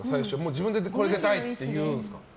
自分でこれ出たいって言うんですか。